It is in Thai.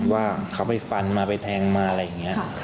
ว่าเขาไปฟันมาไปแทงมาอะไรอย่างนี้